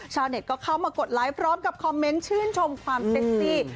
ชาวเน็ตก็เข้ามากดไลค์พร้อมกับคอมเมนต์ชื่นชมความเซ็กซี่